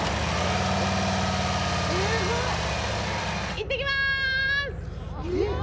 行ってきます！